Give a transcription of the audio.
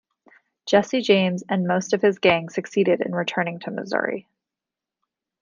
Jesse James and most of his gang succeeded in returning to Missouri.